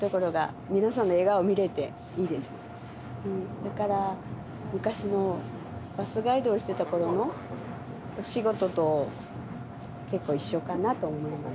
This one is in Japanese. だから昔のバスガイドをしていた頃のお仕事と結構一緒かなと思います。